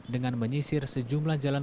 dengan menyisir sejumlah kendaraan